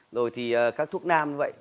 rồi thì các thuốc nam như vậy